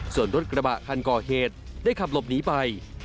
ส่วนรถกระบะคันก่อเหตุได้ขับหลบหนีไป